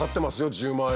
１０万円。